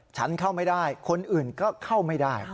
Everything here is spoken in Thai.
ฉันเข้าไม่ได้คนอื่นก็เข้าไม่ได้